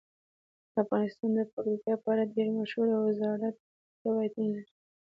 افغانستان د پکتیکا په اړه ډیر مشهور او زاړه تاریخی روایتونه لري.